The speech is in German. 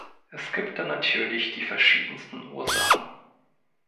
Es gibt da natürlich die verschiedensten Ursachen.